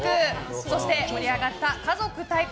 そして、盛り上がった家族対抗！